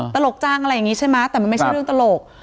ตลกจังอะไรอย่างนี้ใช่ไหมแต่มันไม่ใช่เรื่องตลก